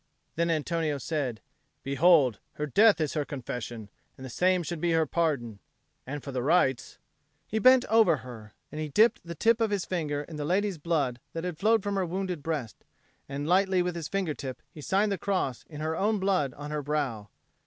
Then Antonio said, "Behold, her death is her confession, and the same should be her pardon. And for the rites " He bent over her, and he dipped the tip of his finger in the lady's blood that had flowed from her wounded breast; and lightly with his finger tip he signed the Cross in her own blood on her brow.